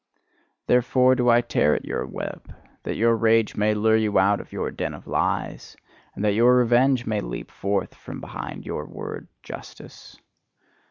Therefore do I tear at your web, that your rage may lure you out of your den of lies, and that your revenge may leap forth from behind your word "justice."